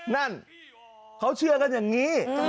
นั่นเขาเชื่อกันอย่างนี้